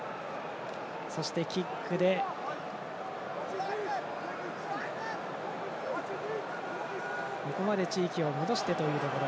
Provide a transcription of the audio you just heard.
そしてキックでここまで地域を戻してというところ。